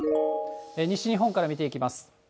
西日本から見ていきます。